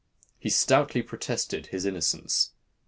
He stoutly protested his innocence.